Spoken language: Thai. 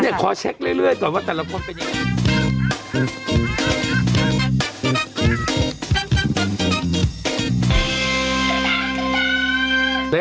ขอเช็คเรื่อยก่อนว่าแต่ละคนเป็นยังไง